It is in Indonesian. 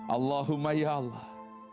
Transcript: allahumma ya allah